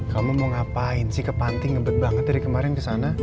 kamu mau ngapain sih ke panti ngebet banget dari kemarin ke sana